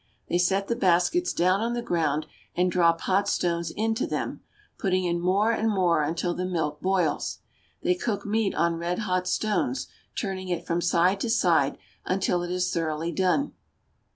They ^^H set the baskets down on the ground and drop hot stones ^^H into them, putting in more and more until the milk boils, ^^H They cook meat on red hot atones, turning it from side to ^^H side until it is thoroughly done.